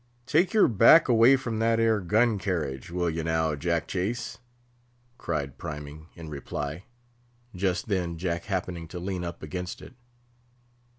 "Take your back away from that 'ere gun carriage, will ye now, Jack Chase?" cried Priming, in reply, just then Jack happening to lean up against it.